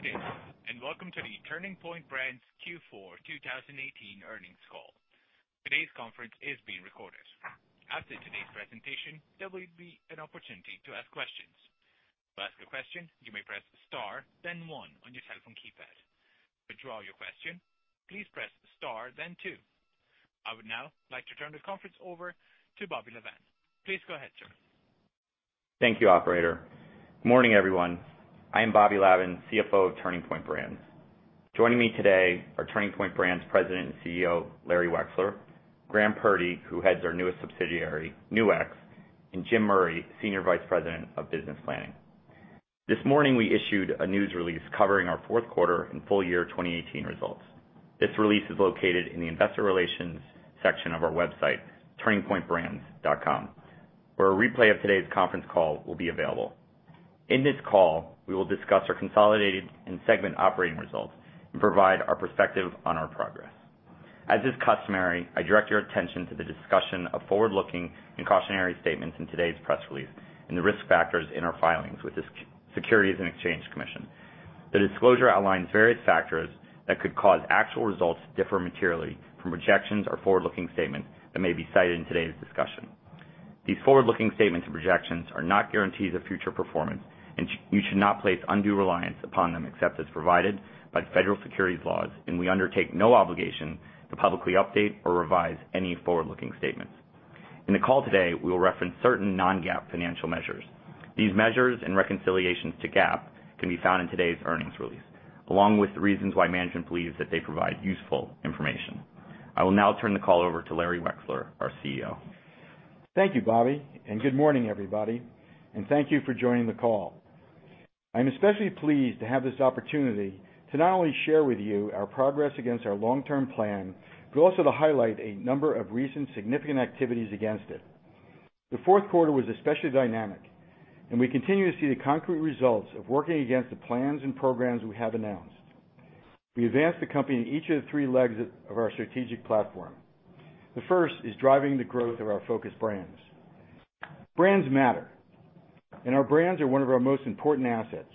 Good day, welcome to the Turning Point Brands Q4 2018 earnings call. Today's conference is being recorded. After today's presentation, there will be an opportunity to ask questions. To ask a question, you may press star then one on your telephone keypad. To withdraw your question, please press star then two. I would now like to turn the conference over to Bobby Lavan. Please go ahead, sir. Thank you, operator. Morning, everyone. I am Bobby Lavan, CFO of Turning Point Brands. Joining me today are Turning Point Brands President and CEO, Larry Wexler; Graham Purdy, who heads our newest subsidiary, Nu-X; and Jim Murray, Senior Vice President of Business Planning. This morning, we issued a news release covering our fourth quarter and full year 2018 results. This release is located in the investor relations section of our website, turningpointbrands.com, where a replay of today's conference call will be available. In this call, we will discuss our consolidated and segment operating results and provide our perspective on our progress. As is customary, I direct your attention to the discussion of forward-looking and cautionary statements in today's press release and the risk factors in our filings with the Securities and Exchange Commission. The disclosure outlines various factors that could cause actual results to differ materially from projections or forward-looking statements that may be cited in today's discussion. These forward-looking statements and projections are not guarantees of future performance. You should not place undue reliance upon them except as provided by federal securities laws. We undertake no obligation to publicly update or revise any forward-looking statements. In the call today, we will reference certain non-GAAP financial measures. These measures and reconciliations to GAAP can be found in today's earnings release, along with the reasons why management believes that they provide useful information. I will now turn the call over to Larry Wexler, our CEO. Thank you, Bobby. Good morning, everybody. Thank you for joining the call. I'm especially pleased to have this opportunity to not only share with you our progress against our long-term plan, but also to highlight a number of recent significant activities against it. The fourth quarter was especially dynamic. We continue to see the concrete results of working against the plans and programs we have announced. We advanced the company in each of the three legs of our strategic platform. The first is driving the growth of our focus brands. Brands matter. Our brands are one of our most important assets.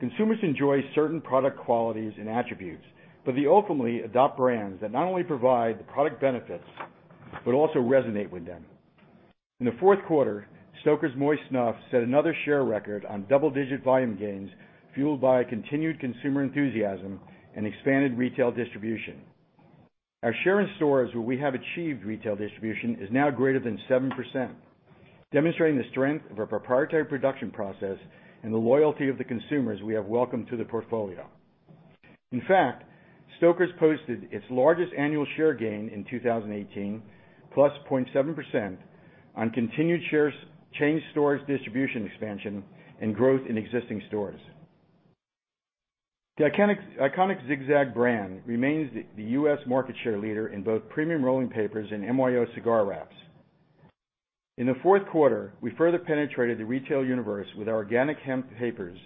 Consumers enjoy certain product qualities and attributes. They ultimately adopt brands that not only provide the product benefits, but also resonate with them. In the fourth quarter, Stoker's Moist Snuff set another share record on double-digit volume gains fueled by continued consumer enthusiasm and expanded retail distribution. Our share in stores where we have achieved retail distribution is now greater than 7%, demonstrating the strength of our proprietary production process and the loyalty of the consumers we have welcomed to the portfolio. In fact, Stoker's posted its largest annual share gain in 2018, +0.7% on continued chain stores distribution expansion and growth in existing stores. The iconic Zig-Zag brand remains the U.S. market share leader in both premium rolling papers and MYO cigar wraps. In the fourth quarter, we further penetrated the retail universe with our organic hemp papers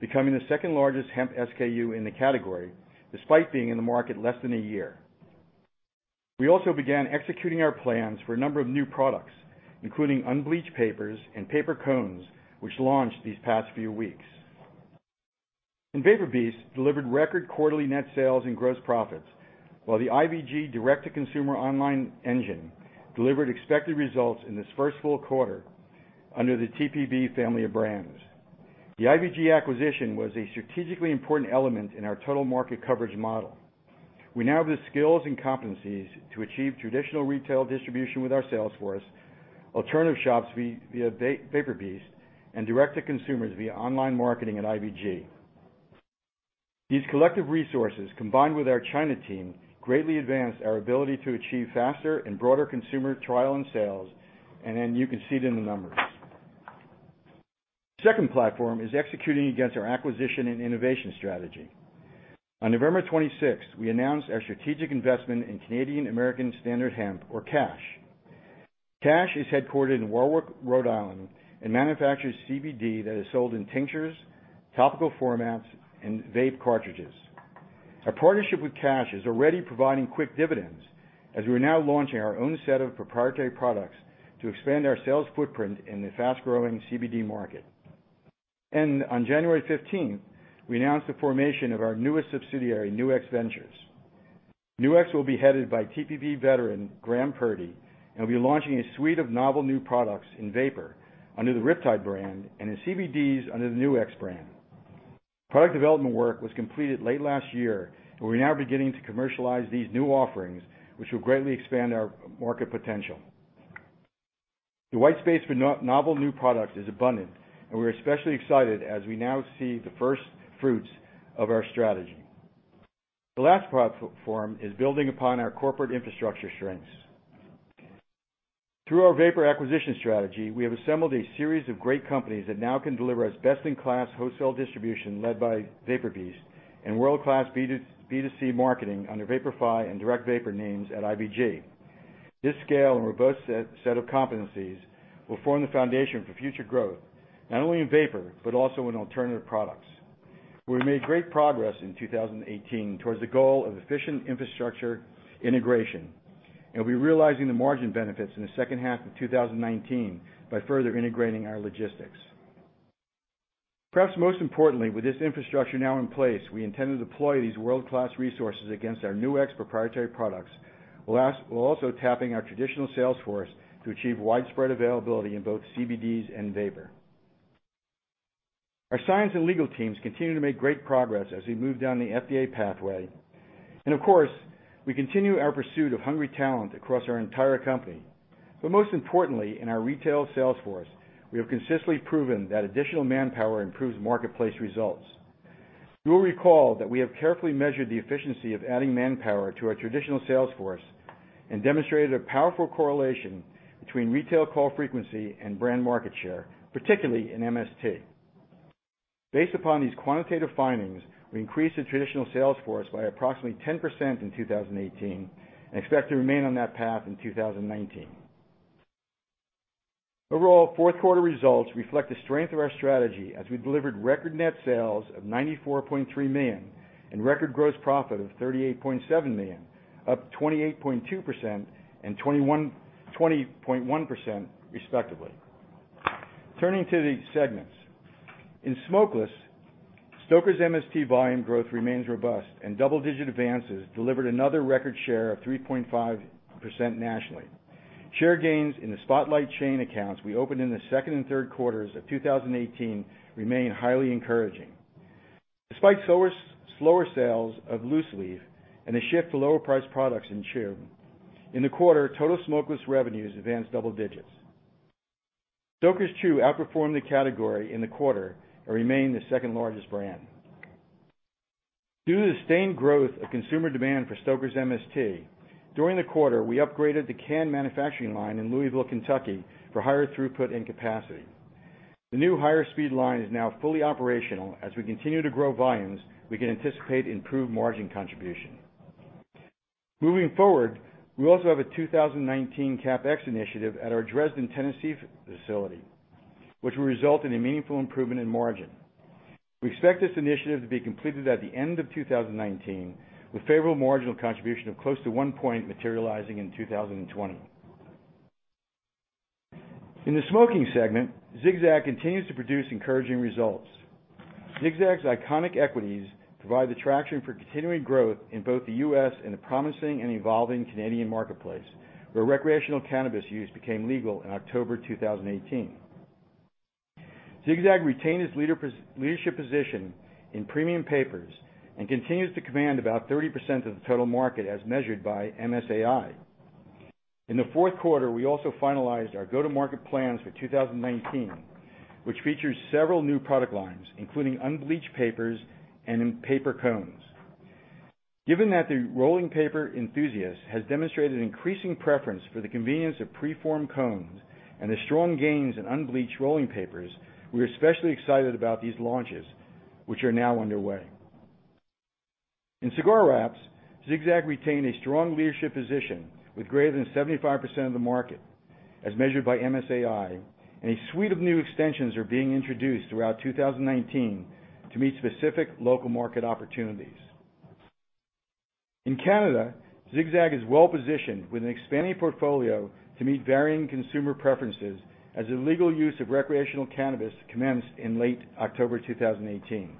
becoming the second-largest hemp SKU in the category, despite being in the market less than a year. We also began executing our plans for a number of new products, including unbleached papers and paper cones, which launched these past few weeks. VaporBeast delivered record quarterly net sales and gross profits, while the IVG direct-to-consumer online engine delivered expected results in this first full quarter under the TPB family of brands. The IVG acquisition was a strategically important element in our total market coverage model. We now have the skills and competencies to achieve traditional retail distribution with our sales force, alternative shops via VaporBeast, and direct to consumers via online marketing at IVG. These collective resources, combined with our China team, greatly advanced our ability to achieve faster and broader consumer trial and sales, you can see it in the numbers. Second platform is executing against our acquisition and innovation strategy. On November 26th, we announced our strategic investment in Canadian American Standard Hemp, or CASH. CASH is headquartered in Warwick, Rhode Island, and manufactures CBD that is sold in tinctures, topical formats, and vape cartridges. Our partnership with CASH is already providing quick dividends, as we are now launching our own set of proprietary products to expand our sales footprint in the fast-growing CBD market. On January 15th, we announced the formation of our newest subsidiary, Nu-X Ventures. Nu-X will be headed by TPB veteran Graham Purdy, will be launching a suite of novel new products in vapor under the RipTide brand and in CBDs under the Nu-X brand. Product development work was completed late last year, we're now beginning to commercialize these new offerings, which will greatly expand our market potential. The white space for novel new products is abundant, we're especially excited as we now see the first fruits of our strategy. The last platform is building upon our corporate infrastructure strengths. Through our vapor acquisition strategy, we have assembled a series of great companies that now can deliver us best-in-class wholesale distribution led by VaporBeast and world-class B2C marketing under VaporFi and DirectVapor names at IVG. This scale and robust set of competencies will form the foundation for future growth, not only in vapor, but also in alternative products. We made great progress in 2018 towards the goal of efficient infrastructure integration we'll be realizing the margin benefits in the second half of 2019 by further integrating our logistics. Perhaps most importantly, with this infrastructure now in place, we intend to deploy these world-class resources against our Nu-X proprietary products. While also tapping our traditional sales force to achieve widespread availability in both CBDs and vapor. Our science and legal teams continue to make great progress as we move down the FDA pathway. Of course, we continue our pursuit of hungry talent across our entire company. But most importantly, in our retail sales force, we have consistently proven that additional manpower improves marketplace results. You will recall that we have carefully measured the efficiency of adding manpower to our traditional sales force and demonstrated a powerful correlation between retail call frequency and brand market share, particularly in MST. Based upon these quantitative findings, we increased the traditional sales force by approximately 10% in 2018 and expect to remain on that path in 2019. Overall, fourth quarter results reflect the strength of our strategy as we delivered record net sales of $94.3 million and record gross profit of $38.7 million, up 28.2% and 20.1% respectively. Turning to the segments. In smokeless, Stoker's MST volume growth remains robust, and double-digit advances delivered another record share of 3.5% nationally. Share gains in the Spotlight chain accounts we opened in the second and third quarters of 2018 remain highly encouraging. Despite slower sales of loose-leaf and a shift to lower priced products in chew, in the quarter, total smokeless revenues advanced double digits. Stoker's chew outperformed the category in the quarter and remained the second largest brand. Due to the sustained growth of consumer demand for Stoker's MST, during the quarter, we upgraded the canned manufacturing line in Louisville, Kentucky for higher throughput and capacity. The new higher speed line is now fully operational. As we continue to grow volumes, we can anticipate improved margin contribution. Moving forward, we also have a 2019 CapEx initiative at our Dresden, Tennessee facility, which will result in a meaningful improvement in margin. We expect this initiative to be completed at the end of 2019 with favorable marginal contribution of close to one point materializing in 2020. In the smoking segment, Zig-Zag continues to produce encouraging results. Zig-Zag's iconic equities provide the traction for continuing growth in both the U.S. and the promising and evolving Canadian marketplace, where recreational cannabis use became legal in October 2018. Zig-Zag retained its leadership position in premium papers and continues to command about 30% of the total market as measured by MSAi. In the fourth quarter, we also finalized our go-to-market plans for 2019, which features several new product lines, including unbleached papers and paper cones. Given that the rolling paper enthusiast has demonstrated increasing preference for the convenience of pre-formed cones and the strong gains in unbleached rolling papers, we're especially excited about these launches, which are now underway. In cigar wraps, Zig-Zag retained a strong leadership position with greater than 75% of the market, as measured by MSAi, and a suite of new extensions are being introduced throughout 2019 to meet specific local market opportunities. In Canada, Zig-Zag is well-positioned with an expanding portfolio to meet varying consumer preferences as the legal use of recreational cannabis commenced in late October 2018.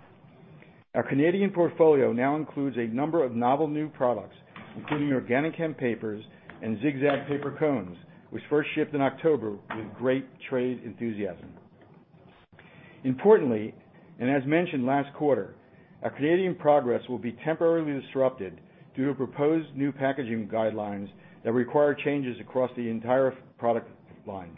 Our Canadian portfolio now includes a number of novel new products, including organic hemp papers and Zig-Zag paper cones, which first shipped in October with great trade enthusiasm. Importantly, as mentioned last quarter, our Canadian progress will be temporarily disrupted due to proposed new packaging guidelines that require changes across the entire product line.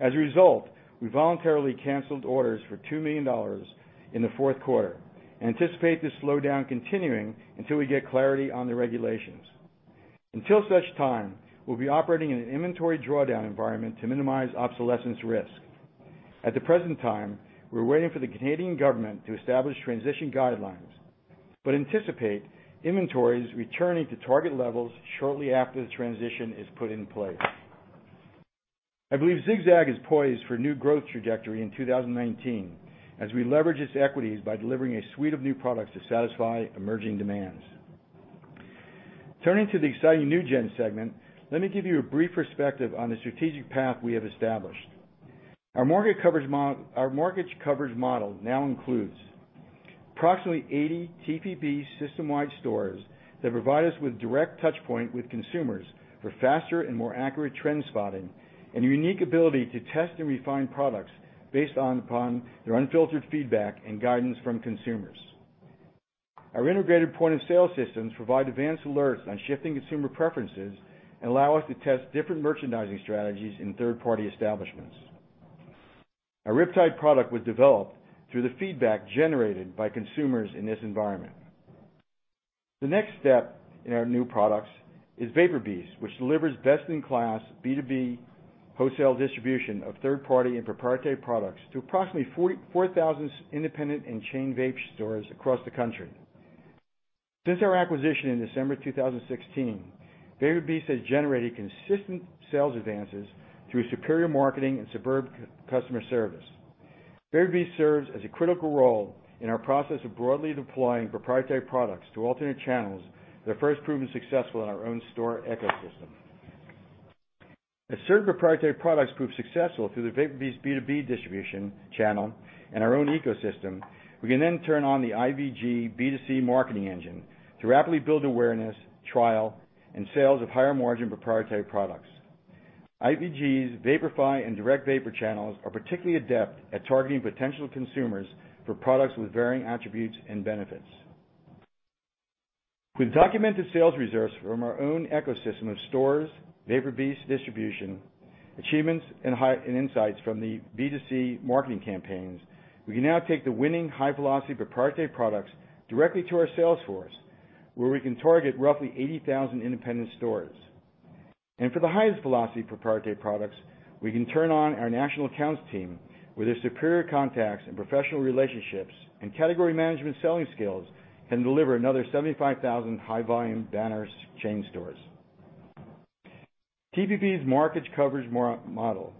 As a result, we voluntarily canceled orders for $2 million in the fourth quarter and anticipate this slowdown continuing until we get clarity on the regulations. Until such time, we will be operating in an inventory drawdown environment to minimize obsolescence risk. At the present time, we are waiting for the Canadian government to establish transition guidelines, but anticipate inventories returning to target levels shortly after the transition is put in place. I believe Zig-Zag is poised for new growth trajectory in 2019 as we leverage its equities by delivering a suite of new products to satisfy emerging demands. Turning to the exciting New Gen segment, let me give you a brief perspective on the strategic path we have established. Our market coverage model now includes approximately 80 TPB system-wide stores that provide us with direct touchpoint with consumers for faster and more accurate trend spotting and a unique ability to test and refine products based upon their unfiltered feedback and guidance from consumers. Our integrated point-of-sale systems provide advanced alerts on shifting consumer preferences and allow us to test different merchandising strategies in third-party establishments. Our RipTide product was developed through the feedback generated by consumers in this environment. The next step in our new products is VaporBeast, which delivers best-in-class B2B wholesale distribution of third-party and proprietary products to approximately 4,000 independent and chain vape stores across the country. Since our acquisition in December 2016, VaporBeast has generated consistent sales advances through superior marketing and superb customer service. VaporBeast serves as a critical role in our process of broadly deploying proprietary products to alternate channels that are first proven successful in our own store ecosystem. As certain proprietary products prove successful through the VaporBeast B2B distribution channel and our own ecosystem, we can then turn on the IVG B2C marketing engine to rapidly build awareness, trial, and sales of higher margin proprietary products. IVG's VaporFi and DirectVapor channels are particularly adept at targeting potential consumers for products with varying attributes and benefits. With documented sales reserves from our own ecosystem of stores, VaporBeast distribution, achievements, and insights from the B2C marketing campaigns, we can now take the winning high-velocity proprietary products directly to our sales force, where we can target roughly 80,000 independent stores. For the highest velocity proprietary products, we can turn on our national accounts team with their superior contacts and professional relationships, and category management selling skills can deliver another 75,000 high-volume banners chain stores. TPB's market coverage model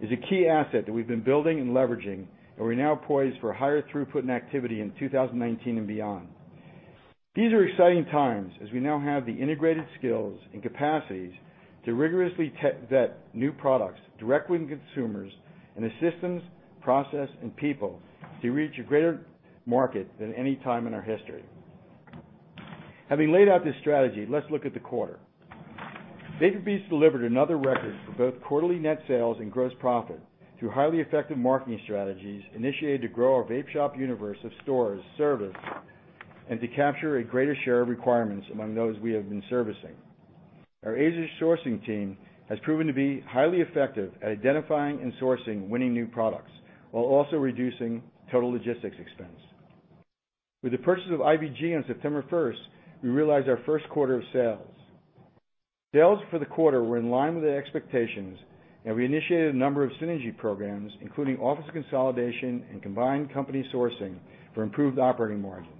is a key asset that we have been building and leveraging, and we are now poised for higher throughput and activity in 2019 and beyond. These are exciting times as we now have the integrated skills and capacities to rigorously vet new products directly with consumers and the systems, process, and people to reach a greater market than any time in our history. Having laid out this strategy, let us look at the quarter. VaporBeast delivered another record for both quarterly net sales and gross profit through highly effective marketing strategies initiated to grow our vape shop universe of stores serviced and to capture a greater share of requirements among those we have been servicing. Our Asia sourcing team has proven to be highly effective at identifying and sourcing winning new products while also reducing total logistics expense. With the purchase of IVG on September 1st, we realized our first quarter of sales. Sales for the quarter were in line with the expectations. We initiated a number of synergy programs, including office consolidation and combined company sourcing for improved operating margins.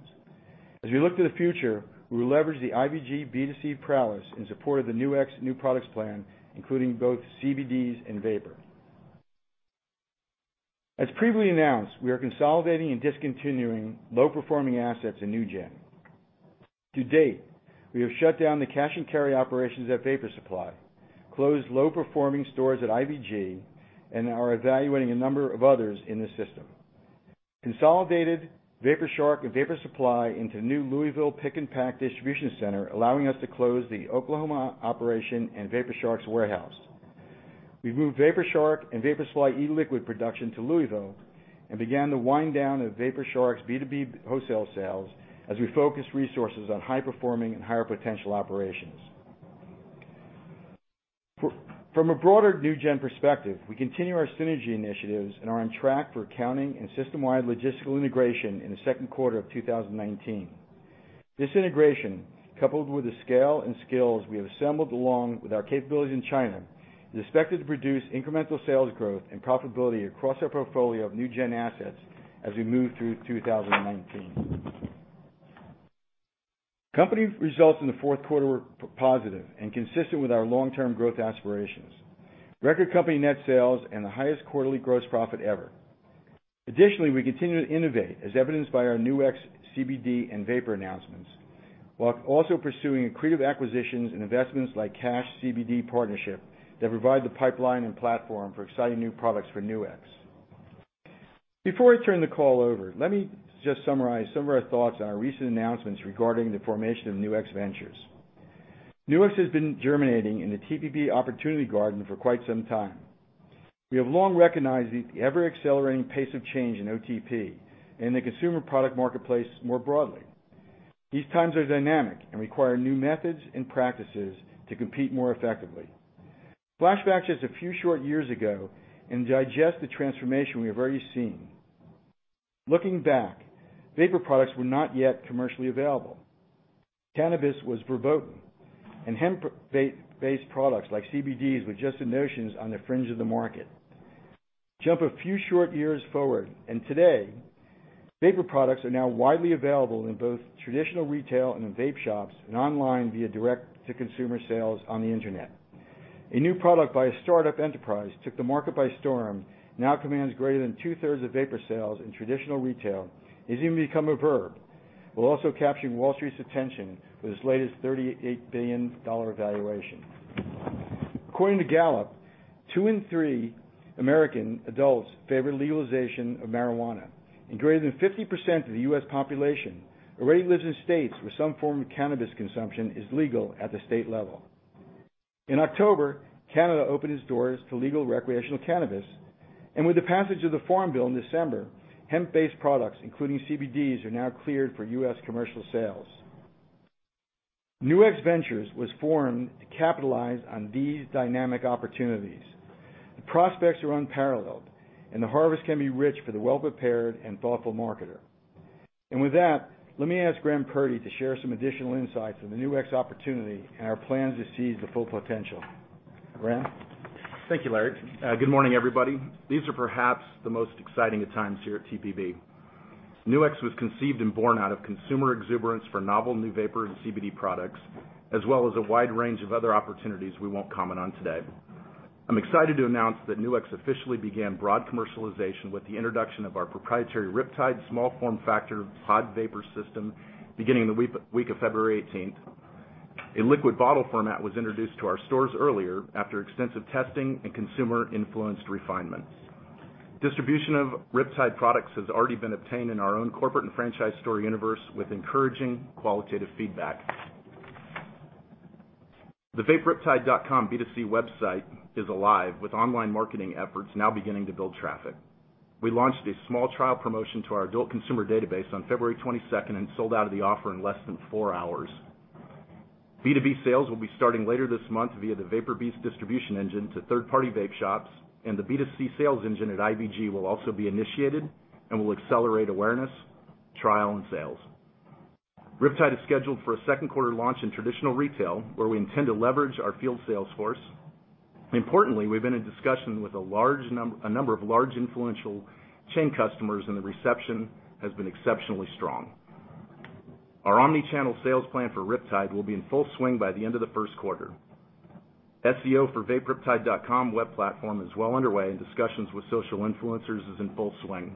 As we look to the future, we will leverage the IVG B2C prowess in support of the Nu-X new products plan, including both CBDs and vapor. As previously announced, we are consolidating and discontinuing low-performing assets in NewGen. To date, we have shut down the cash and carry operations at Vapor Supply, closed low-performing stores at IVG. We are evaluating a number of others in the system. Consolidated Vapor Shark and Vapor Supply into new Louisville Pick and Pack distribution center, allowing us to close the Oklahoma operation and Vapor Shark's warehouse. We've moved Vapor Shark and Vapor Supply e-liquid production to Louisville. We began the wind down of Vapor Shark's B2B wholesale sales as we focus resources on high performing and higher potential operations. From a broader NewGen perspective, we continue our synergy initiatives and are on track for accounting and system-wide logistical integration in the second quarter of 2019. This integration, coupled with the scale and skills we have assembled along with our capabilities in China, is expected to produce incremental sales growth and profitability across our portfolio of NewGen assets as we move through 2019. Company results in the fourth quarter were positive and consistent with our long-term growth aspirations. Record company net sales and the highest quarterly gross profit ever. Additionally, we continue to innovate, as evidenced by our Nu-X CBD and vapor announcements, while also pursuing accretive acquisitions and investments like CASH CBD partnership that provide the pipeline and platform for exciting new products for Nu-X. Before I turn the call over, let me just summarize some of our thoughts on our recent announcements regarding the formation of Nu-X Ventures. Nu-X has been germinating in the TPB opportunity garden for quite some time. We have long recognized the ever-accelerating pace of change in OTP and the consumer product marketplace more broadly. These times are dynamic and require new methods and practices to compete more effectively. Flashback just a few short years ago and digest the transformation we have already seen. Looking back, vapor products were not yet commercially available. Cannabis was verboten, and hemp-based products like CBDs were just notions on the fringe of the market. Jump a few short years forward. Today, vapor products are now widely available in both traditional retail and in vape shops and online via direct-to-consumer sales on the internet. A new product by a startup enterprise took the market by storm and now commands greater than 2/3 of vapor sales in traditional retail and has even become a verb, while also capturing Wall Street's attention with its latest $38 billion valuation. According to Gallup, two in three U.S. adults favor legalization of marijuana, and greater than 50% of the U.S. population already lives in states where some form of cannabis consumption is legal at the state level. In October, Canada opened its doors to legal recreational cannabis, and with the passage of the Farm Bill in December, hemp-based products, including CBDs, are now cleared for U.S. commercial sales. Nu-X Ventures was formed to capitalize on these dynamic opportunities. The prospects are unparalleled, and the harvest can be rich for the well-prepared and thoughtful marketer. With that, let me ask Graham Purdy to share some additional insights on the Nu-X opportunity and our plans to seize the full potential. Graham? Thank you, Larry. Good morning, everybody. These are perhaps the most exciting of times here at TPB. Nu-X was conceived and born out of consumer exuberance for novel new vapor and CBD products, as well as a wide range of other opportunities we won't comment on today. I'm excited to announce that Nu-X officially began broad commercialization with the introduction of our proprietary RipTide small form factor pod vapor system beginning in the week of February 18th. A liquid bottle format was introduced to our stores earlier after extensive testing and consumer influenced refinements. Distribution of RipTide products has already been obtained in our own corporate and franchise store universe with encouraging qualitative feedback. The vaperiptide.com B2C website is alive with online marketing efforts now beginning to build traffic. We launched a small trial promotion to our adult consumer database on February 22nd and sold out of the offer in less than four hours. B2B sales will be starting later this month via the VaporBeast distribution engine to third-party vape shops and the B2C sales engine at IVG will also be initiated and will accelerate awareness, trial, and sales. RipTide is scheduled for a second quarter launch in traditional retail, where we intend to leverage our field sales force. Importantly, we've been in discussion with a number of large influential chain customers, and the reception has been exceptionally strong. Our omni-channel sales plan for RipTide will be in full swing by the end of the first quarter. SEO for vaperiptide.com web platform is well underway and discussions with social influencers is in full swing.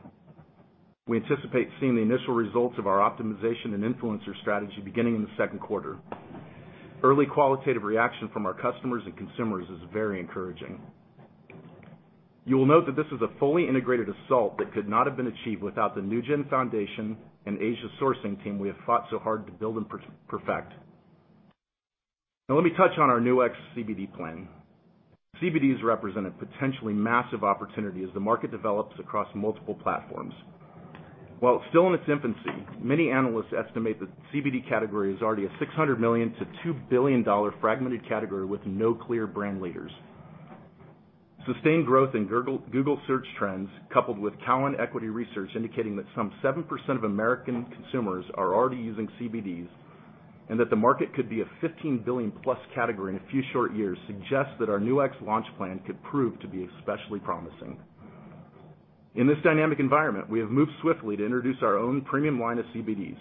We anticipate seeing the initial results of our optimization and influencer strategy beginning in the second quarter. Early qualitative reaction from our customers and consumers is very encouraging. You will note that this was a fully integrated assault that could not have been achieved without the NewGen Foundation and Asia sourcing team we have fought so hard to build and perfect. Now let me touch on our Nu-X CBD plan. CBDs represent a potentially massive opportunity as the market develops across multiple platforms. While it's still in its infancy, many analysts estimate the CBD category is already a $600 million-$2 billion fragmented category with no clear brand leaders. Sustained growth in Google search trends, coupled with Cowen Equity Research indicating that some 7% of American consumers are already using CBDs, and that the market could be a $15 billion+ category in a few short years suggests that our Nu-X launch plan could prove to be especially promising. In this dynamic environment, we have moved swiftly to introduce our own premium line of CBDs.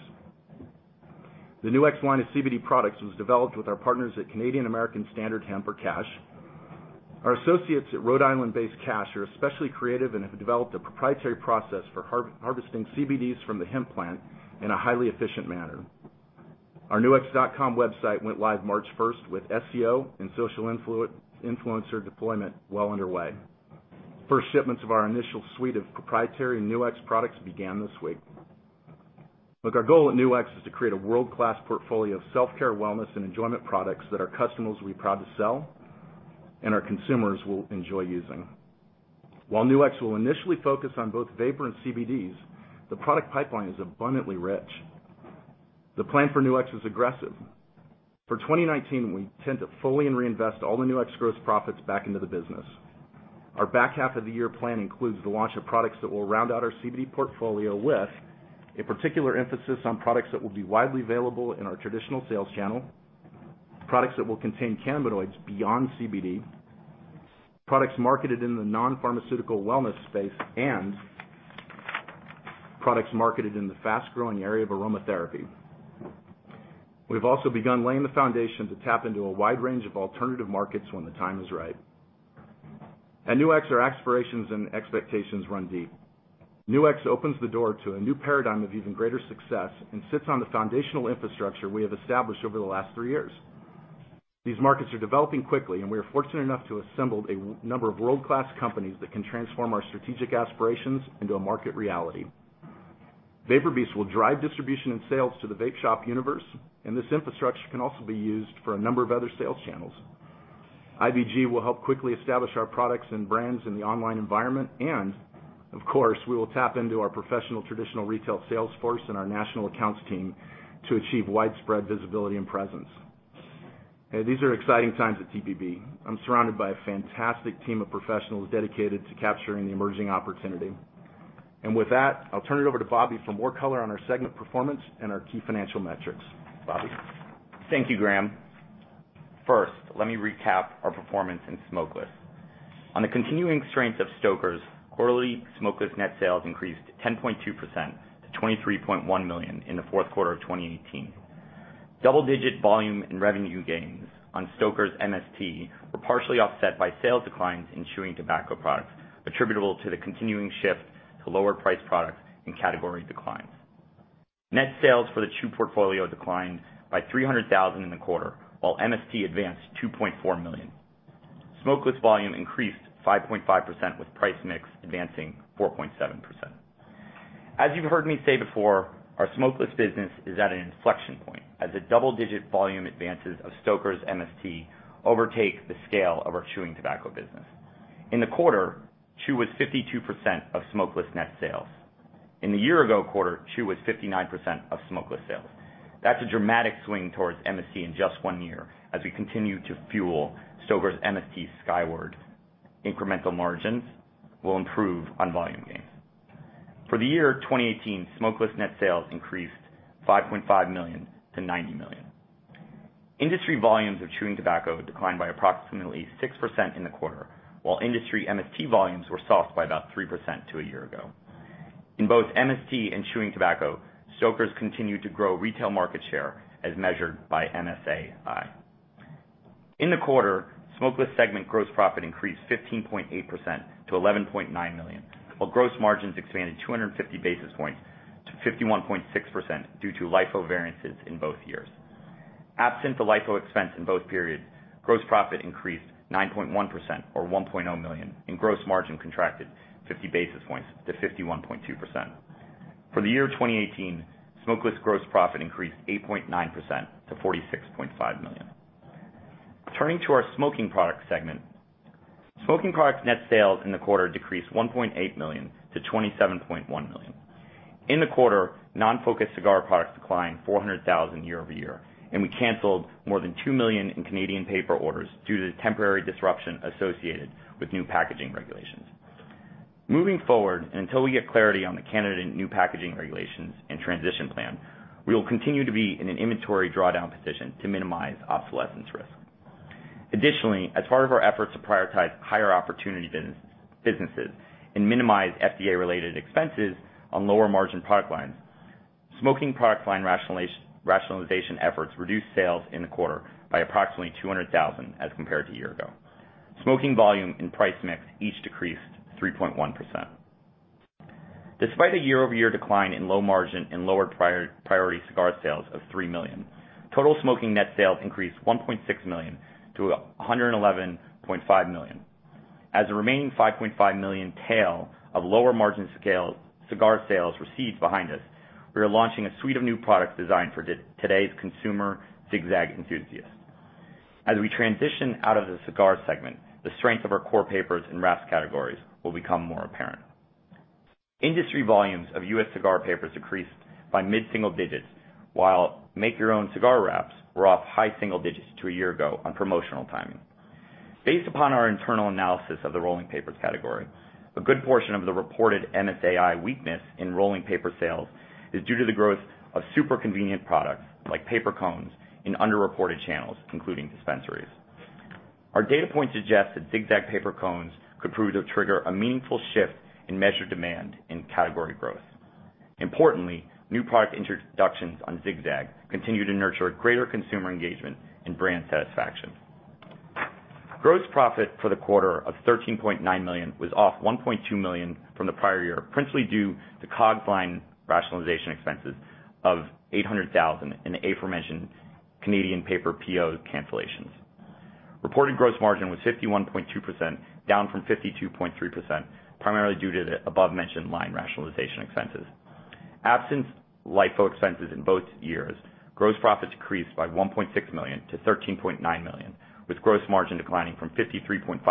The Nu-X line of CBD products was developed with our partners at Canadian American Standard Hemp, or CASH. Our associates at Rhode Island-based CASH are especially creative and have developed a proprietary process for harvesting CBDs from the hemp plant in a highly efficient manner. Our nu-x.com website went live March 1st with SEO and social influencer deployment well underway. First shipments of our initial suite of proprietary Nu-X products began this week. Look, our goal at Nu-X is to create a world-class portfolio of self-care, wellness, and enjoyment products that our customers will be proud to sell and our consumers will enjoy using. While Nu-X will initially focus on both vapor and CBDs, the product pipeline is abundantly rich. The plan for Nu-X is aggressive. For 2019, we intend to fully reinvest all the Nu-X gross profits back into the business. Our back half of the year plan includes the launch of products that will round out our CBD portfolio with a particular emphasis on products that will be widely available in our traditional sales channel, products that will contain cannabinoids beyond CBD, products marketed in the non-pharmaceutical wellness space, and products marketed in the fast-growing area of aromatherapy. We've also begun laying the foundation to tap into a wide range of alternative markets when the time is right. At Nu-X, our aspirations and expectations run deep. Nu-X opens the door to a new paradigm of even greater success and sits on the foundational infrastructure we have established over the last three years. We are fortunate enough to have assembled a number of world-class companies that can transform our strategic aspirations into a market reality. VaporBeast will drive distribution and sales to the vape shop universe. This infrastructure can also be used for a number of other sales channels. IVG will help quickly establish our products and brands in the online environment. Of course, we will tap into our professional traditional retail sales force and our national accounts team to achieve widespread visibility and presence. These are exciting times at TPB. I'm surrounded by a fantastic team of professionals dedicated to capturing the emerging opportunity. With that, I'll turn it over to Bobby for more color on our segment performance and our key financial metrics. Bobby? Thank you, Graham. First, let me recap our performance in smokeless. On the continuing strength of Stoker's, quarterly smokeless net sales increased 10.2% to $23.1 million in the fourth quarter of 2018. Double-digit volume and revenue gains on Stoker's MST were partially offset by sales declines in chewing tobacco products attributable to the continuing shift to lower priced products and category declines. Net sales for the chew portfolio declined by $300,000 in the quarter, while MST advanced $2.4 million. Smokeless volume increased 5.5% with price mix advancing 4.7%. As you've heard me say before, our smokeless business is at an inflection point as the double-digit volume advances of Stoker's MST overtake the scale of our chewing tobacco business. In the quarter, chew was 52% of smokeless net sales. In the year ago quarter, chew was 59% of smokeless sales. That's a dramatic swing towards MST in just one year as we continue to fuel Stoker's MST skyward. Incremental margins will improve on volume gains. For the year 2018, smokeless net sales increased $5.5 million to $90 million. Industry volumes of chewing tobacco declined by approximately 6% in the quarter, while industry MST volumes were soft by about 3% to a year ago. In both MST and chewing tobacco, Stoker's continued to grow retail market share as measured by MSAi. In the quarter, smokeless segment gross profit increased 15.8% to $11.9 million, while gross margins expanded 250 basis points to 51.6% due to LIFO variances in both years. Absent the LIFO expense in both periods, gross profit increased 9.1%, or $1.0 million, and gross margin contracted 50 basis points to 51.2%. For the year 2018, smokeless gross profit increased 8.9% to $46.5 million. Turning to our smoking products segment. Smoking products net sales in the quarter decreased $1.8 million to $27.1 million. In the quarter, non-focused cigar products declined $400,000 year-over-year. We canceled more than $2 million in Canadian paper orders due to the temporary disruption associated with new packaging regulations. Moving forward, and until we get clarity on the Canadian new packaging regulations and transition plan, we will continue to be in an inventory drawdown position to minimize obsolescence risk. Additionally, as part of our efforts to prioritize higher opportunity businesses and minimize FDA-related expenses on lower margin product lines, smoking product line rationalization efforts reduced sales in the quarter by approximately $200,000 as compared to a year ago. Smoking volume and price mix each decreased 3.1%. Despite a year-over-year decline in low margin and lower priority cigar sales of $3 million, total smoking net sales increased $1.6 million to $111.5 million. As the remaining $5.5 million tail of lower margin cigar sales recedes behind us, we are launching a suite of new products designed for today's consumer Zig-Zag enthusiast. As we transition out of the cigar segment, the strength of our core papers and wraps categories will become more apparent. Industry volumes of U.S. cigar papers decreased by mid-single digits, while make-your-own cigar wraps were off high single digits to a year ago on promotional timing. Based upon our internal analysis of the rolling papers category, a good portion of the reported MSAi weakness in rolling paper sales is due to the growth of super convenient products like paper cones in under-reported channels, including dispensaries. Our data point suggests that Zig-Zag paper cones could prove to trigger a meaningful shift in measured demand and category growth. Importantly, new product introductions on Zig-Zag continue to nurture greater consumer engagement and brand satisfaction. Gross profit for the quarter of $13.9 million was off $1.2 million from the prior year, principally due to COGS line rationalization expenses of $800,000 in the aforementioned Canadian paper PO cancellations. Reported gross margin was 51.2%, down from 52.3%, primarily due to the above-mentioned line rationalization expenses. Absent LIFO expenses in both years, gross profits decreased by $1.6 million to $13.9 million, with gross margin declining from 53.5%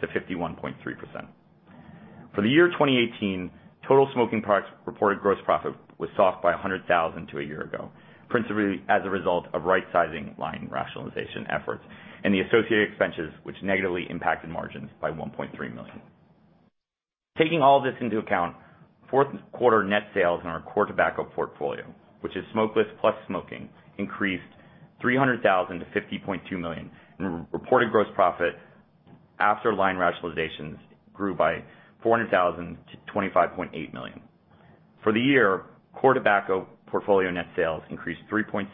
to 51.3%. For the year 2018, total smoking products reported gross profit was soft by $100,000 to a year ago, principally as a result of right-sizing line rationalization efforts and the associated expenses, which negatively impacted margins by $1.3 million. Taking all this into account, fourth quarter net sales in our core tobacco portfolio, which is smokeless plus smoking, increased $300,000 to $50.2 million, and reported gross profit after line rationalizations grew by $400,000 to $25.8 million. For the year, core tobacco portfolio net sales increased 3.6%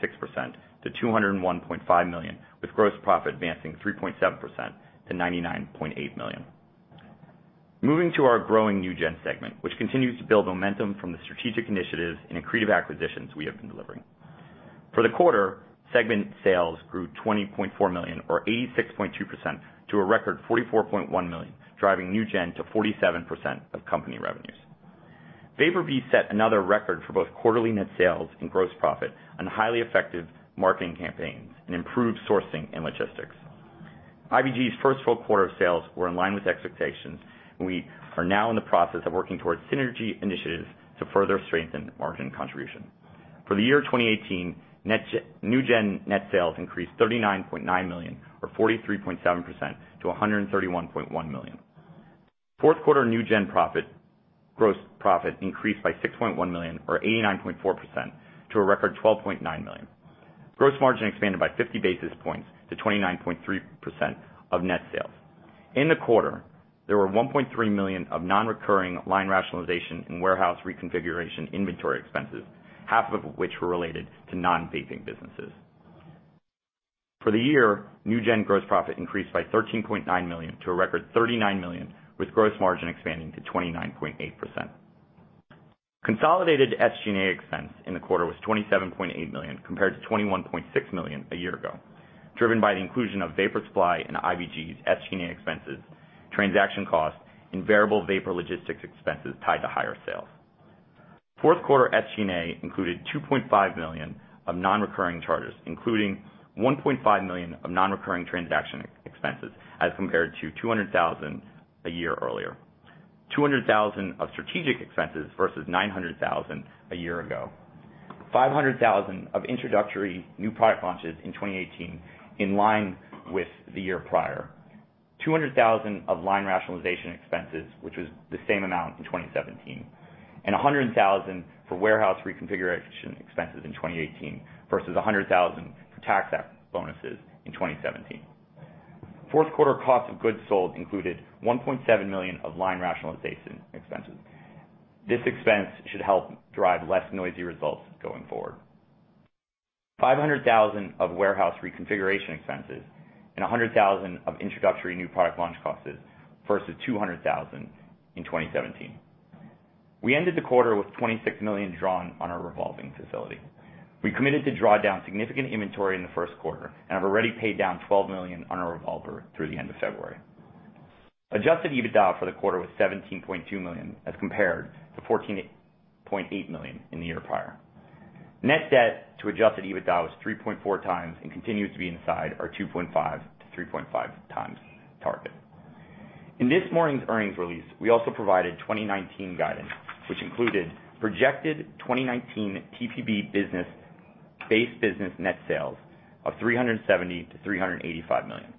to $201.5 million, with gross profit advancing 3.7% to $99.8 million. Moving to our growing NewGen segment, which continues to build momentum from the strategic initiatives and accretive acquisitions we have been delivering. For the quarter, segment sales grew $20.4 million or 86.2% to a record $44.1 million, driving NewGen to 47% of company revenues. VaporBeast set another record for both quarterly net sales and gross profit on highly effective marketing campaigns and improved sourcing and logistics. IVG's first full quarter of sales were in line with expectations. We are now in the process of working towards synergy initiatives to further strengthen margin contribution. For the year 2018, NewGen net sales increased $39.9 million or 43.7% to $131.1 million. Fourth quarter NewGen gross profit increased by $6.1 million or 89.4% to a record $12.9 million. Gross margin expanded by 50 basis points to 29.3% of net sales. In the quarter, there were $1.3 million of non-recurring line rationalization and warehouse reconfiguration inventory expenses, half of which were related to non-vaping businesses. For the year, NewGen gross profit increased by $13.9 million to a record $39 million, with gross margin expanding to 29.8%. Consolidated SG&A expense in the quarter was $27.8 million compared to $21.6 million a year ago, driven by the inclusion of Vapor Supply and IVG's SG&A expenses, transaction costs, and variable vapor logistics expenses tied to higher sales. Fourth quarter SG&A included $2.5 million of non-recurring charges, including $1.5 million of non-recurring transaction expenses as compared to $200,000 a year earlier, $200,000 of strategic expenses versus $900,000 a year ago, $500,000 of introductory new product launches in 2018, in line with the year prior. $200,000 of line rationalization expenses, which was the same amount in 2017, and $100,000 for warehouse reconfiguration expenses in 2018 versus $100,000 for tax bonuses in 2017. Fourth quarter cost of goods sold included $1.7 million of line rationalization expenses. This expense should help drive less noisy results going forward. $500,000 of warehouse reconfiguration expenses and $100,000 of introductory new product launch costs versus $200,000 in 2017. We ended the quarter with $26 million drawn on our revolving facility. We committed to draw down significant inventory in the first quarter and have already paid down $12 million on our revolver through the end of February. Adjusted EBITDA for the quarter was $17.2 million as compared to $14.8 million in the year prior. Net debt to adjusted EBITDA was 3.4x and continues to be inside our 2.5x-3.5x target. In this morning's earnings release, we also provided 2019 guidance, which included projected 2019 TPB base business net sales of $370 million-$385 million.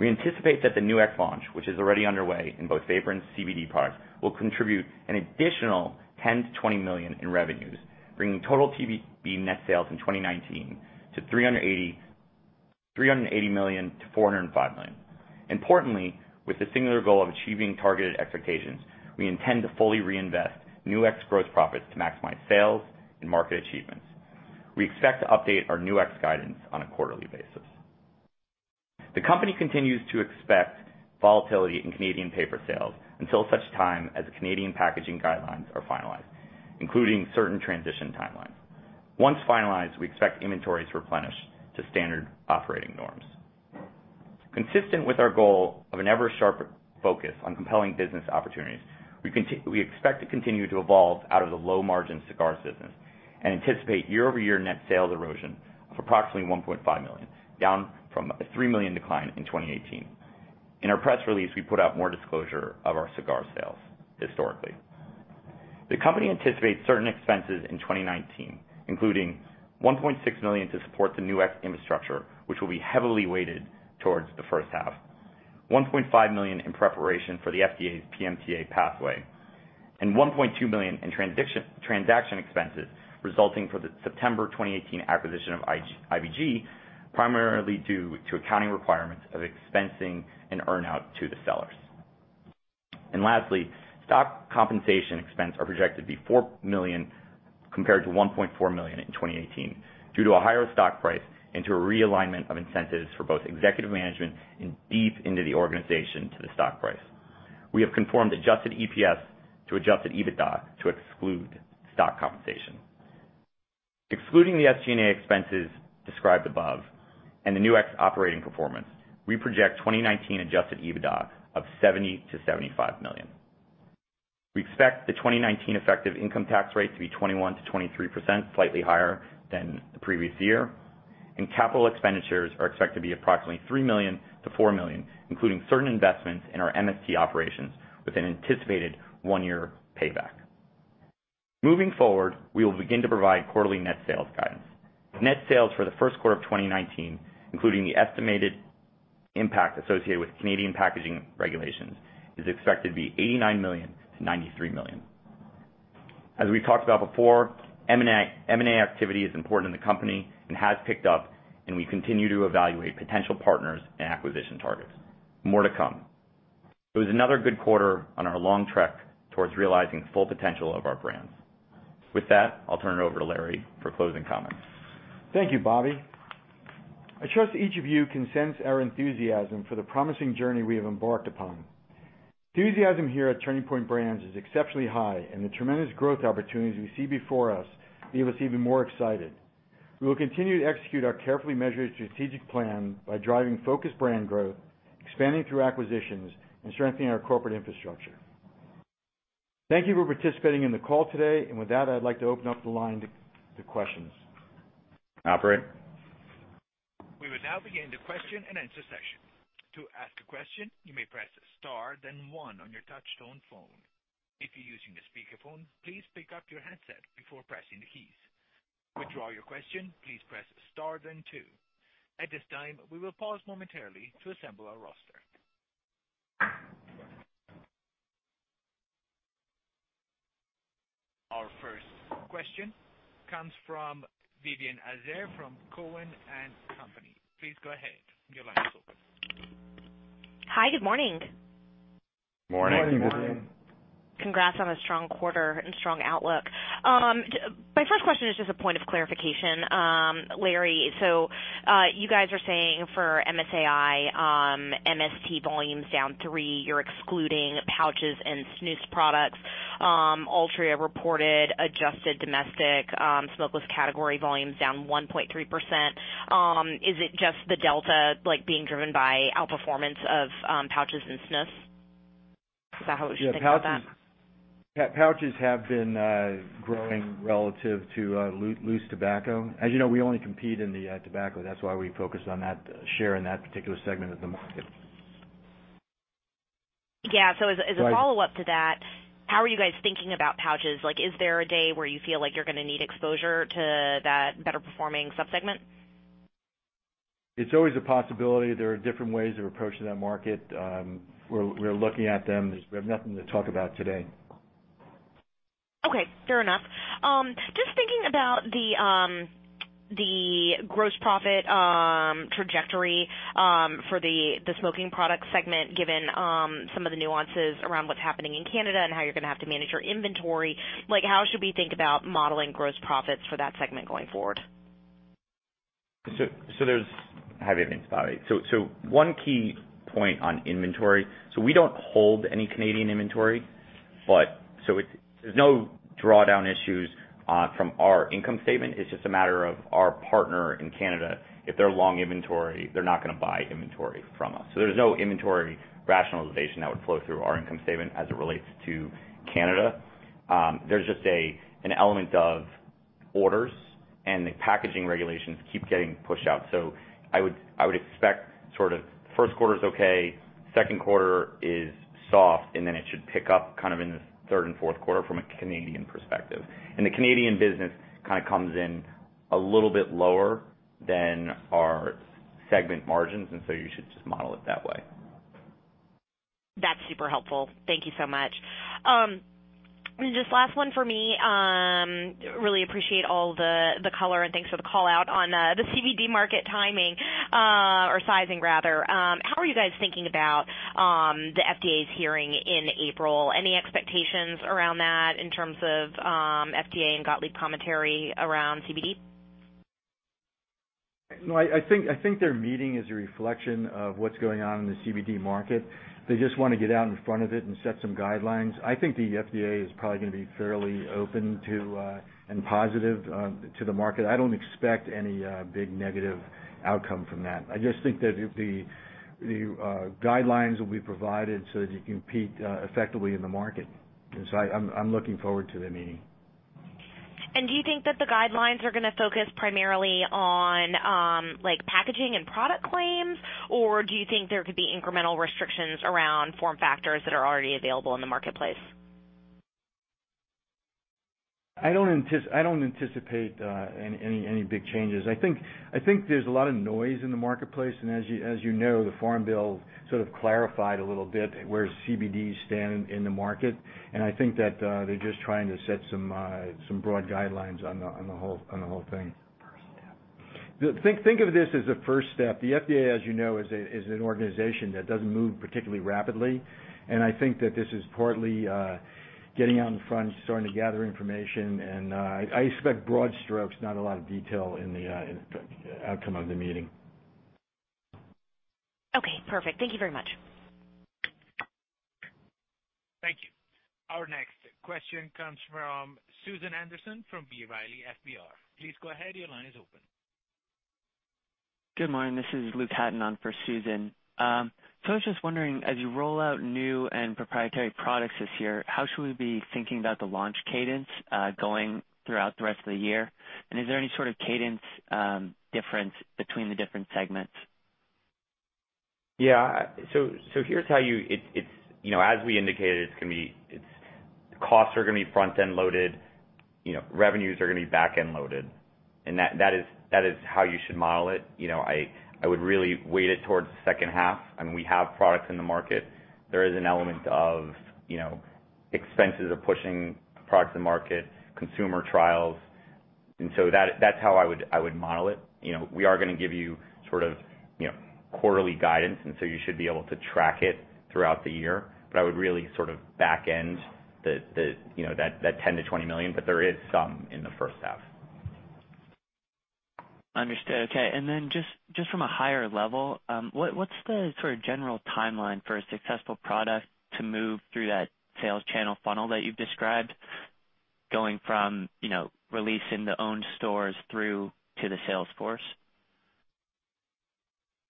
We anticipate that the Nu-X launch, which is already underway in both vapor and CBD products, will contribute an additional $10 million-$20 million in revenues, bringing total TPB net sales in 2019 to $380 million-$405 million. Importantly, with the singular goal of achieving targeted expectations, we intend to fully reinvest Nu-X growth profits to maximize sales and market achievements. We expect to update our Nu-X guidance on a quarterly basis. The company continues to expect volatility in Canadian paper sales until such time as Canadian packaging guidelines are finalized, including certain transition timelines. Once finalized, we expect inventory to replenish to standard operating norms. Consistent with our goal of an ever-sharper focus on compelling business opportunities, we expect to continue to evolve out of the low-margin cigar business and anticipate year-over-year net sales erosion of approximately $1.5 million, down from a $3 million decline in 2018. In our press release, we put out more disclosure of our cigar sales historically. The company anticipates certain expenses in 2019, including $1.6 million to support the Nu-X infrastructure, which will be heavily weighted towards the first half, $1.5 million in preparation for the FDA's PMTA pathway, and $1.2 million in transaction expenses resulting for the September 2018 acquisition of IVG, primarily due to accounting requirements of expensing an earn-out to the sellers. Lastly, stock compensation expense are projected to be $4 million compared to $1.4 million in 2018 due to a higher stock price and to a realignment of incentives for both executive management and deep into the organization to the stock price. We have conformed adjusted EPS to adjusted EBITDA to exclude stock compensation. Excluding the SG&A expenses described above and the Nu-X operating performance, we project 2019 adjusted EBITDA of $70 million-$75 million. We expect the 2019 effective income tax rate to be 21%-23%, slightly higher than the previous year, and capital expenditures are expected to be approximately $3 million-$4 million, including certain investments in our MST operations with an anticipated one-year payback. Moving forward, we will begin to provide quarterly net sales guidance. Net sales for the first quarter of 2019, including the estimated impact associated with Canadian packaging regulations, is expected to be $89 million-$93 million. We talked about before, M&A activity is important to the company and has picked up. We continue to evaluate potential partners and acquisition targets. More to come. It was another good quarter on our long trek towards realizing full potential of our brands. With that, I'll turn it over to Larry for closing comments. Thank you, Bobby. I trust each of you can sense our enthusiasm for the promising journey we have embarked upon. Enthusiasm here at Turning Point Brands is exceptionally high, and the tremendous growth opportunities we see before us leave us even more excited. We will continue to execute our carefully measured strategic plan by driving focused brand growth, expanding through acquisitions, and strengthening our corporate infrastructure. Thank you for participating in the call today. With that, I'd like to open up the line to questions. Operator? We will now begin the question and answer session. To ask a question, you may press star then one on your touchtone phone. If you're using a speakerphone, please pick up your handset before pressing the keys. To withdraw your question, please press star then two. At this time, we will pause momentarily to assemble our roster. Our first question comes from Vivien Azer from Cowen and Company. Please go ahead. Your line is open. Hi, good morning. Morning. Good morning. Congrats on a strong quarter and strong outlook. My first question is just a point of clarification. Larry, you guys are saying for MSAi, MST volumes down three, you're excluding pouches and snus products. Altria reported adjusted domestic smokeless category volumes down 1.3%. Is it just the delta being driven by outperformance of pouches and snus? Is that how we should think about that? Yeah, pouches have been growing relative to loose tobacco. As you know, we only compete in the tobacco. That's why we focus on that share in that particular segment of the market. Yeah. As a follow-up to that, how are you guys thinking about pouches? Is there a day where you feel like you're going to need exposure to that better performing sub-segment? It's always a possibility. There are different ways of approaching that market. We're looking at them. We have nothing to talk about today. Okay. Fair enough. Just thinking about the gross profit trajectory for the smoking product segment, given some of the nuances around what's happening in Canada and how you're going to have to manage your inventory, how should we think about modeling gross profits for that segment going forward? One key point on inventory, we don't hold any Canadian inventory, there's no drawdown issues from our income statement. It's just a matter of our partner in Canada. If they're long inventory, they're not going to buy inventory from us. There's no inventory rationalization that would flow through our income statement as it relates to Canada. There's just an element of orders and the packaging regulations keep getting pushed out. I would expect first quarter is okay, second quarter is soft, then it should pick up kind of in the third and fourth quarter from a Canadian perspective. The Canadian business kind of comes in a little bit lower than our segment margins, you should just model it that way. That's super helpful. Thank you so much. Just last one for me. Really appreciate all the color and thanks for the call out on the CBD market timing, or sizing rather. How are you guys thinking about the FDA's hearing in April? Any expectations around that in terms of FDA and Gottlieb commentary around CBD? No, I think their meeting is a reflection of what's going on in the CBD market. They just want to get out in front of it and set some guidelines. I think the FDA is probably going to be fairly open to and positive to the market. I don't expect any big negative outcome from that. I just think that the guidelines will be provided so that you can compete effectively in the market. I'm looking forward to the meeting. Do you think that the guidelines are going to focus primarily on packaging and product claims, or do you think there could be incremental restrictions around form factors that are already available in the marketplace? I don't anticipate any big changes. I think there's a lot of noise in the marketplace, and as you know, the Farm Bill sort of clarified a little bit where CBD stand in the market, and I think that they're just trying to set some broad guidelines on the whole thing. First step. Think of this as a first step. The FDA, as you know, is an organization that doesn't move particularly rapidly, and I think that this is partly getting out in front, starting to gather information, and I expect broad strokes, not a lot of detail in the outcome of the meeting. Okay, perfect. Thank you very much. Thank you. Our next question comes from Susan Anderson from B. Riley FBR. Please go ahead. Your line is open. Good morning. This is Luke Hatton on for Susan. I was just wondering, as you roll out new and proprietary products this year, how should we be thinking about the launch cadence going throughout the rest of the year, and is there any sort of cadence difference between the different segments? Yeah. As we indicated, costs are going to be front-end loaded, revenues are going to be back-end loaded, and that is how you should model it. I would really weight it towards the second half. I mean, we have products in the market. There is an element of expenses of pushing products to market, consumer trials, that's how I would model it. We are going to give you sort of quarterly guidance, you should be able to track it throughout the year. I would really sort of back end that $10 million-$20 million, but there is some in the first half. Understood. Okay. Just from a higher level, what's the sort of general timeline for a successful product to move through that sales channel funnel that you've described, going from releasing the own stores through to the sales force?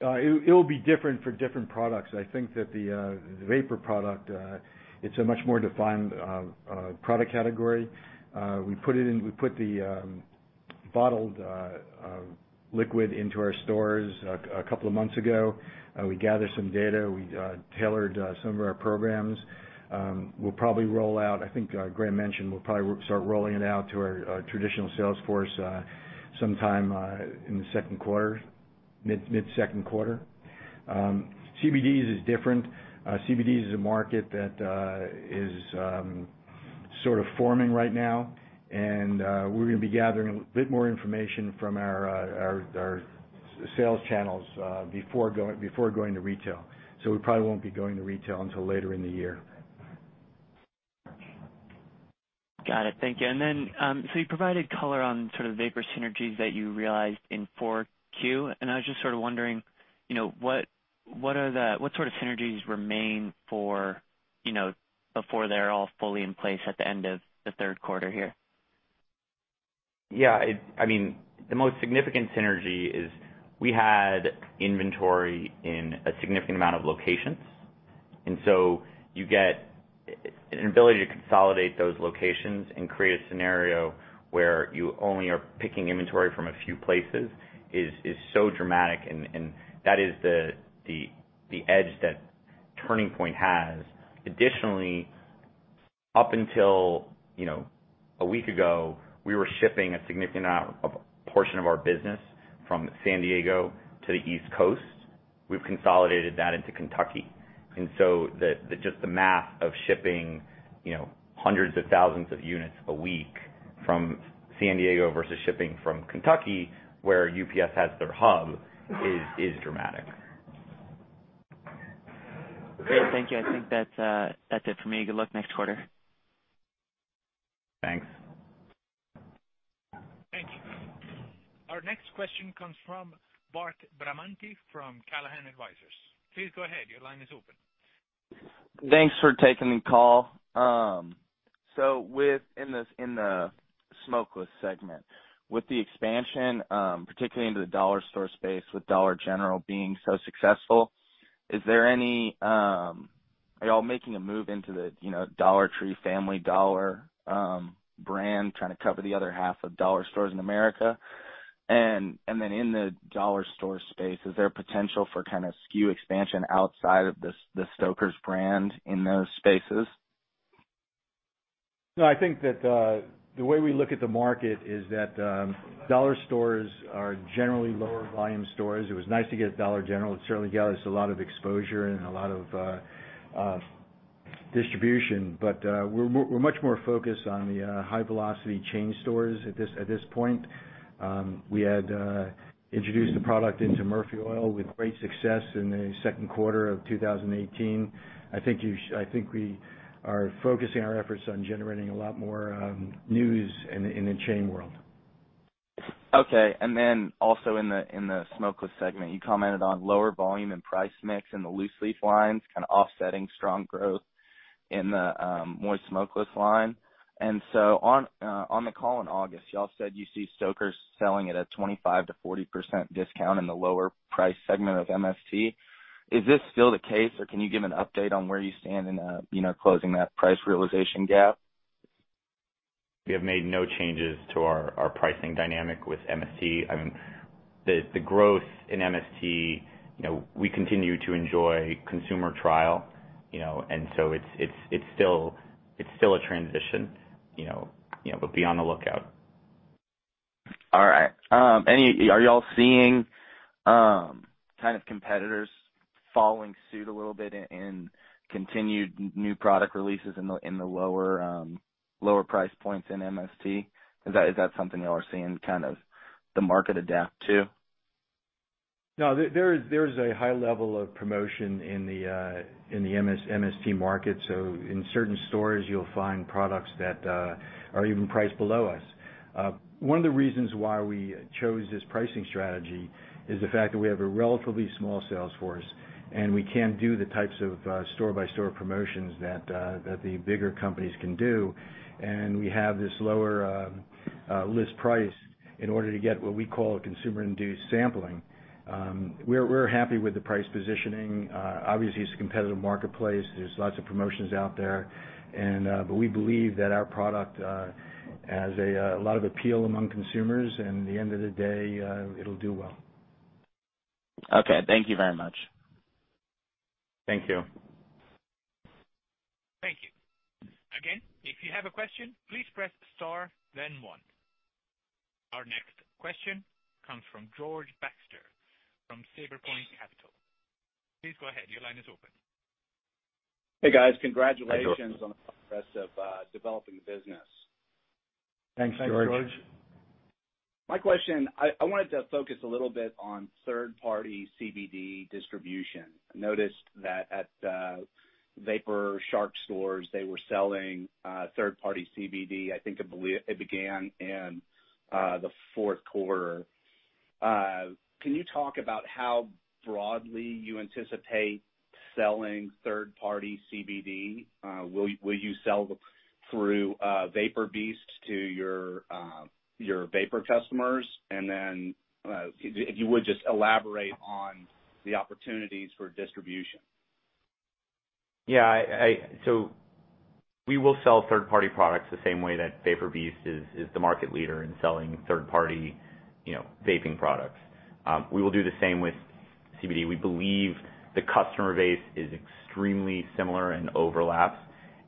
It will be different for different products. I think that the vapor product, it's a much more defined product category. We put the bottled liquid into our stores a couple of months ago. We gathered some data. We tailored some of our programs. We'll probably roll out, I think Graham mentioned, we'll probably start rolling it out to our traditional sales force sometime in the second quarter, mid-second quarter. CBDs is different. CBDs is a market that is sort of forming right now, and we're going to be gathering a bit more information from our sales channels before going to retail. We probably won't be going to retail until later in the year. Got it. Thank you. You provided color on sort of vapor synergies that you realized in 4Q, and I was just sort of wondering what sort of synergies remain before they're all fully in place at the end of the third quarter here? Yeah. The most significant synergy is we had inventory in a significant amount of locations, and so you get an ability to consolidate those locations and create a scenario where you only are picking inventory from a few places is so dramatic, and that is the edge that Turning Point has. Additionally, up until a week ago, we were shipping a significant portion of our business from San Diego to the East Coast. We've consolidated that into Kentucky. Just the math of shipping hundreds of thousands of units a week from San Diego versus shipping from Kentucky, where UPS has their hub, is dramatic. Great. Thank you. I think that's it for me. Good luck next quarter. Thanks. Thank you. Our next question comes from Bart Bramanti from Callahan Advisors. Please go ahead. Your line is open. Thanks for taking the call. Within the smokeless segment, with the expansion, particularly into the dollar store space with Dollar General being so successful, are y'all making a move into the Dollar Tree, Family Dollar brand, trying to cover the other half of dollar stores in America? Then in the dollar store space, is there potential for SKU expansion outside of the Stoker's brand in those spaces? No, I think that the way we look at the market is that dollar stores are generally lower volume stores. It was nice to get Dollar General. It certainly gathers a lot of exposure and a lot of distribution. We're much more focused on the high velocity chain stores at this point. We had introduced the product into Murphy USA with great success in the second quarter of 2018. I think we are focusing our efforts on generating a lot more news in the chain world. Okay, also in the smokeless segment, you commented on lower volume and price mix in the loose leaf lines kind of offsetting strong growth in the moist smokeless line. On the call in August, y'all said you see Stoker's selling at a 25%-40% discount in the lower price segment of MST. Is this still the case, or can you give an update on where you stand in closing that price realization gap? We have made no changes to our pricing dynamic with MST. I mean, the growth in MST, we continue to enjoy consumer trial. It's still a transition, but be on the lookout. All right. Are y'all seeing kind of competitors following suit a little bit in continued new product releases in the lower prices points in MST? Is that something y'all are seeing kind of the market adapt to? No, there is a high level of promotion in the MST market. In certain stores, you'll find products that are even priced below us. One of the reasons why we chose this pricing strategy is the fact that we have a relatively small sales force, and we can't do the types of store-by-store promotions that the bigger companies can do. We have this lower list price in order to get what we call a consumer-induced sampling. We're happy with the price positioning. Obviously, it's a competitive marketplace. There's lots of promotions out there. We believe that our product has a lot of appeal among consumers, and at the end of the day, it'll do well. Okay. Thank you very much. Thank you. Thank you. Again, if you have a question, please press star then one. Our next question comes from George Baxter from Sabrepoint Capital. Please go ahead. Your line is open. Hey, guys. Hi, George Congratulations. On the progress of developing the business. Thanks, George. Thanks, George. My question, I wanted to focus a little bit on third-party CBD distribution. I noticed that at the Vapor Shark stores, they were selling third-party CBD. I think it began in the fourth quarter. Can you talk about how broadly you anticipate selling third-party CBD? Will you sell through VaporBeast to your vapor customers? Then if you would just elaborate on the opportunities for distribution. Yeah. We will sell third-party products the same way that VaporBeast is the market leader in selling third-party vaping products. We will do the same with CBD. We believe the customer base is extremely similar and overlaps.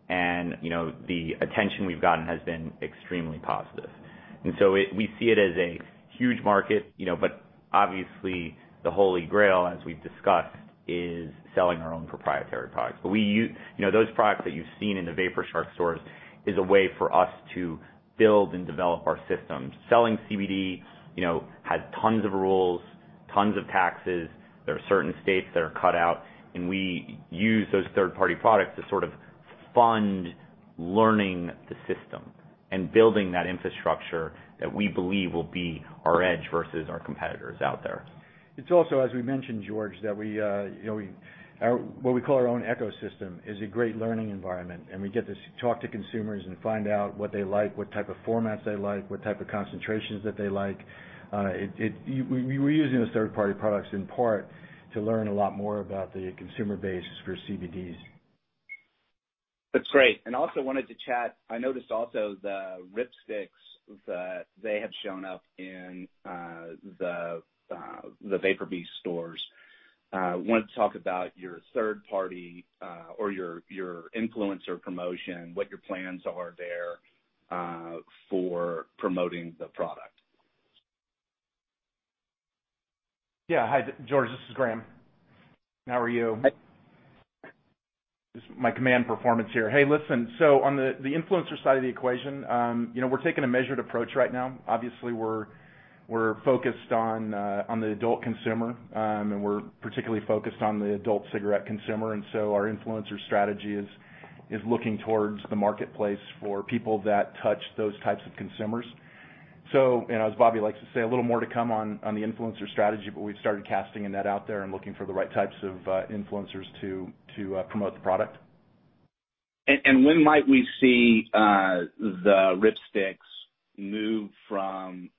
The attention we've gotten has been extremely positive. We see it as a huge market, but obviously the holy grail, as we've discussed, is selling our own proprietary products. Those products that you've seen in the Vapor Shark stores is a way for us to build and develop our systems. Selling CBD has tons of rules, tons of taxes. There are certain states that are cut out, and we use those third-party products to sort of fund learning the system and building that infrastructure that we believe will be our edge versus our competitors out there. It's also, as we mentioned, George, that what we call our own ecosystem is a great learning environment, and we get to talk to consumers and find out what they like, what type of formats they like, what type of concentrations that they like. We're using those third-party products in part to learn a lot more about the consumer base for CBDs. Great. Also wanted to chat, I noticed also the RipTide, that they have shown up in the VaporBeast stores. Wanted to talk about your third party, or your influencer promotion, what your plans are there, for promoting the product. Yeah. Hi, George, this is Graham. How are you? Hi. This is my command performance here. Hey, listen. On the influencer side of the equation, we're taking a measured approach right now. Obviously, we're focused on the adult consumer, and we're particularly focused on the adult cigarette consumer. Our influencer strategy is looking towards the marketplace for people that touch those types of consumers. As Bobby likes to say, a little more to come on the influencer strategy, we've started casting a net out there and looking for the right types of influencers to promote the product. When might we see the RipTide move from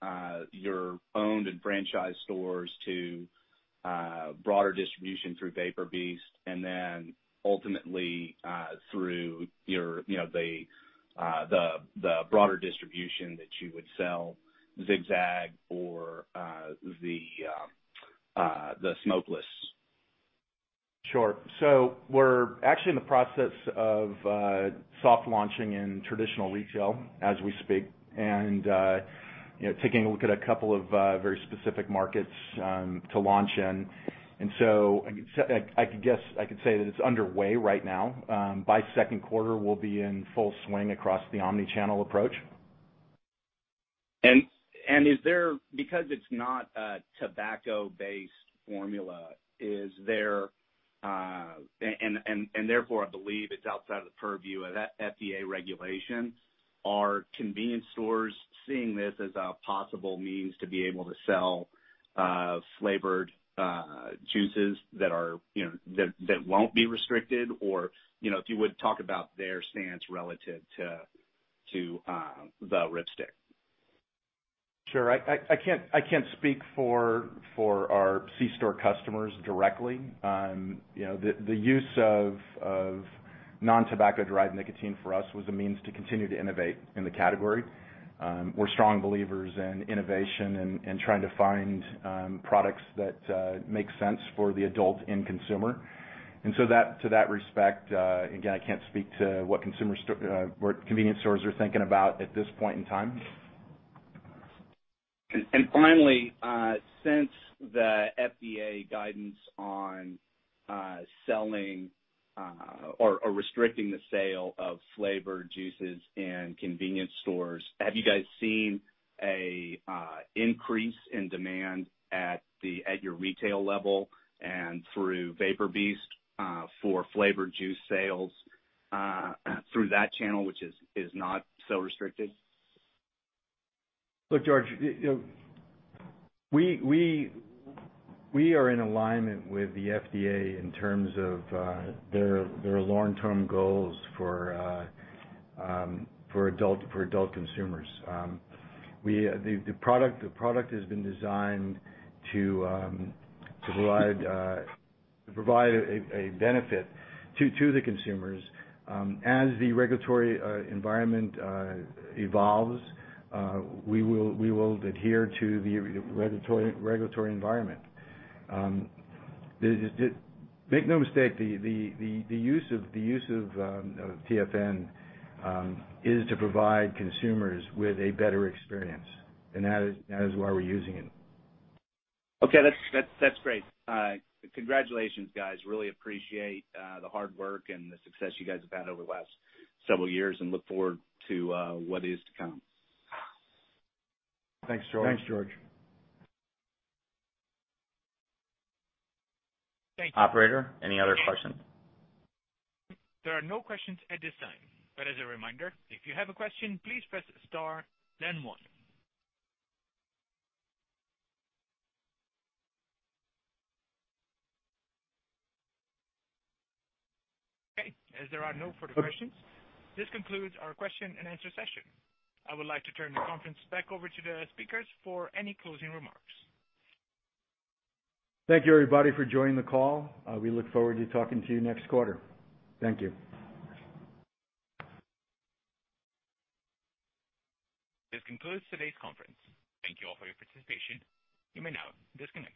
your owned and franchise stores to broader distribution through VaporBeast, ultimately, through the broader distribution that you would sell Zig-Zag or the Stoker's? Sure. We're actually in the process of soft launching in traditional retail as we speak, taking a look at a couple of very specific markets to launch in. I could say that it's underway right now. By second quarter, we'll be in full swing across the omni-channel approach. Because it's not a tobacco-based formula, therefore, I believe it's outside of the purview of FDA regulation, are convenience stores seeing this as a possible means to be able to sell flavored juices that won't be restricted? Or, if you would, talk about their stance relative to the RipTide. Sure. I can't speak for our C-store customers directly. The use of non-tobacco derived nicotine for us was a means to continue to innovate in the category. We're strong believers in innovation and trying to find products that make sense for the adult end consumer. To that respect, again, I can't speak to what convenience stores are thinking about at this point in time. Finally, since the FDA guidance on selling or restricting the sale of flavored juices in convenience stores, have you guys seen an increase in demand at your retail level and through VaporBeast, for flavored juice sales, through that channel, which is not so restricted? Look, George, we are in alignment with the FDA in terms of their long-term goals for adult consumers. The product has been designed to provide a benefit to the consumers. As the regulatory environment evolves, we will adhere to the regulatory environment. Make no mistake, the use of TFN, is to provide consumers with a better experience, and that is why we're using it. Okay. That's great. Congratulations, guys. Really appreciate the hard work and the success you guys have had over the last several years, and look forward to what is to come. Thanks, George. Thanks, George. Operator, any other questions? There are no questions at this time. As a reminder, if you have a question, please press star then one. Okay, as there are no further questions, this concludes our Question and Answer Session. I would like to turn the conference back over to the speakers for any closing remarks. Thank you everybody for joining the call. We look forward to talking to you next quarter. Thank you. This concludes today's conference. Thank you all for your participation. You may now disconnect.